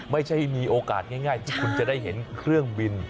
ไม่ใช่มีโอกาสง่ายที่คุณจะได้เห็นเครื่องบิน